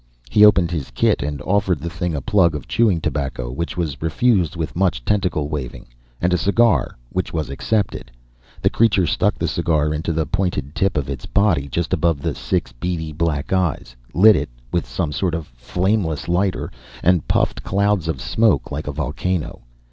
He opened his kit and offered the thing a plug of chewing tobacco, which was refused with much tentacle waving, and a cigar, which was accepted. The creature stuck the cigar into the pointed tip of its body, just above the six beady black eyes, lit it with some sort of flameless lighter, and puffed clouds of smoke like a volcano.